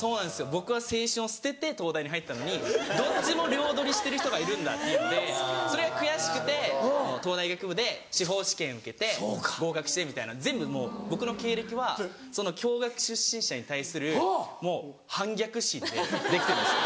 僕は青春を捨てて東大に入ったのにどっちも両取りしてる人がいるんだっていうのでそれが悔しくて東大医学部で司法試験受けて合格してみたいな全部もう僕の経歴はその共学出身者に対するもう反逆心でできてるんですよ。